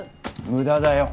無駄だよ。